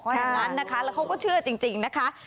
อย่างนั้นนะคะแล้วเขาก็เชื่อจริงนะคะ